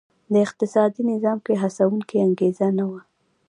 د اقتصادي نظام کې هڅوونکې انګېزه نه وه.